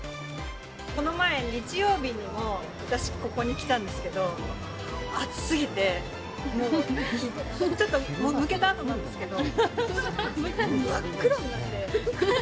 この前、日曜日にも私、ここに来たんですけど、暑すぎて、もうちょっとむけたあとなんですけど、真っ黒になって。